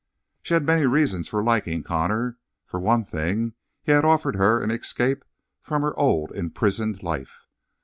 She had many reasons for liking Connor. For one thing he had offered her an escape from her old imprisoned life.